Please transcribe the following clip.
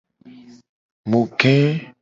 Mu ge.